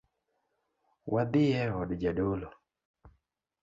Wadhie od jadolo.